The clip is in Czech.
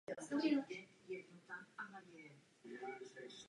Poté odešla na mateřskou dovolenou.